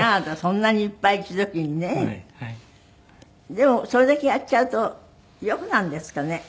でもそれだけやっちゃうと良くなるんですかね？